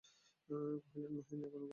কহিলেন, মহিন, এখনো ঘুমাস নাই?